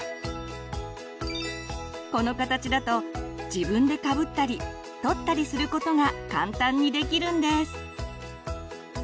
この形だと自分でかぶったり取ったりすることが簡単にできるんです。